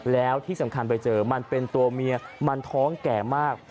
แล้วที่สำคัญไปเจอมันเป็นตัวเมียมันท้องแก่มาก